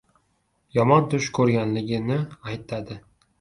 Yomon tush ko‘rganligini aytadi.